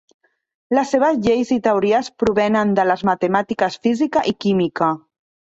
Les seves lleis i teories provenen de les matemàtiques, física i química.